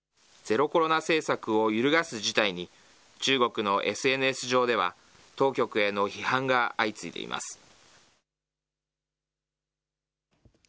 ゼロコロナ政策を揺るがす事態に、中国のＳＮＳ上では、当局への批判が相次いでいます。